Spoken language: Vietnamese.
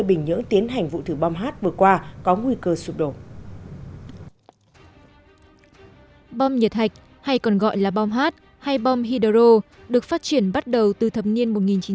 bom nhiệt hạch hay còn gọi là bom hát hay bom hydro được phát triển bắt đầu từ thập niên một nghìn chín trăm bảy mươi